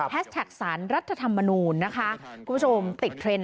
แท็กสารรัฐธรรมนูลนะคะคุณผู้ชมติดเทรนด์